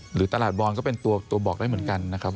หรือตลาดบอลก็เป็นตัวบอกได้เหมือนกันนะครับ